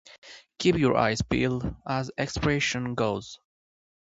"Keep your eyes peeled", as the expression goes.